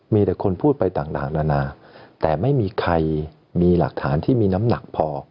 มีแต่คนพูดไปต่างนานาแต่ไม่มีใครมีหลักฐานที่มีน้ำหนักพอ